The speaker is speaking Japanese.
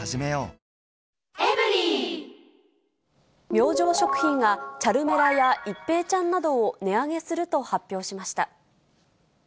明星食品がチャルメラや一平ちゃんなどを値上げすると発表しました。